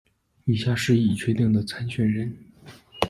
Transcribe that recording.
以下是已确定的参选人。